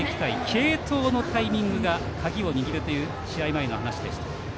継投のタイミングが鍵を握るという試合前の話でした。